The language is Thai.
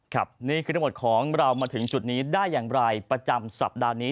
นี่คือทั้งหมดของเรามาถึงจุดนี้ได้อย่างไรประจำสัปดาห์นี้